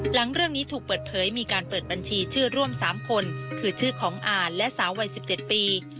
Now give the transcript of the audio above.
หลังเรื่องนี้ถูกเปิดเผยมีการเปิดบัญชีชื่อร่วม๓คนคือชื่อของอ่านและสาววัย๑๗ปี